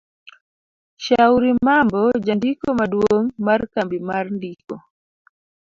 Shauri Mambo Jandiko maduong' mar Kambi mar ndiko